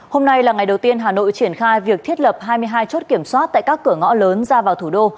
hôm nay là ngày đầu tiên hà nội triển khai việc thiết lập hai mươi hai chốt kiểm soát tại các cửa ngõ lớn ra vào thủ đô